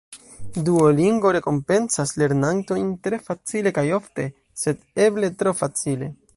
Duolingo rekompencas lernantojn tre facile kaj ofte, sed eble tro facile.